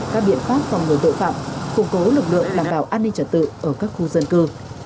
các biện pháp phòng ngừa tội phạm củng cố lực lượng đảm bảo an ninh trật tự ở các khu dân cư